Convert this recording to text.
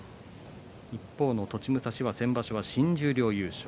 一方の栃武蔵は先場所新十両優勝。